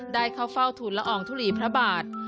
ได้เข้าเฝ้าทุนละอองทุลีพระบาท